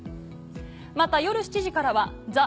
また夜７時からは『ザ！